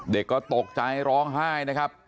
เด็กก็ตกใจร้องไห้นะครับ